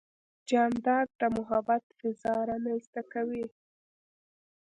جانداد د محبت فضا رامنځته کوي.